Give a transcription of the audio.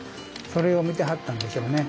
それを見てはったんでしょうね。